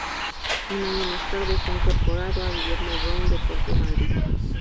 Un año más tarde fue incorporado a Guillermo Brown de Puerto Madryn.